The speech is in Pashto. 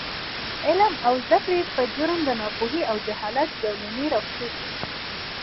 د عـلم او زده کـړې پـه جـرم د نـاپـوهـۍ او جـهالـت زولـنې راپښـو کـړي .